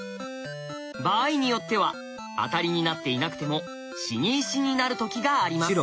場合によってはアタリになっていなくても死に石になる時があります。